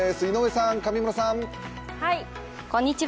井上さん、上村さん。